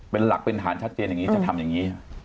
เป็นหลักเป็นฐานชัดเจนอย่างนี้จะทำอย่างนี้